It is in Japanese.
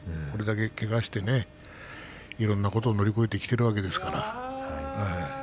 これだけ、けがしていろんなことを乗り越えてきているわけですから。